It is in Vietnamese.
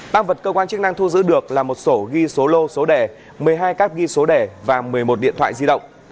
tăng vật cơ quan chức năng thu giữ được là một sổ ghi số lô số đề một mươi hai cáp ghi số đề và một mươi một điện thoại di động